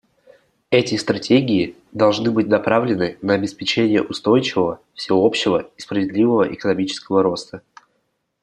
Эти стратегии должны быть направлены на обеспечение устойчивого, всеобщего и справедливого экономического роста.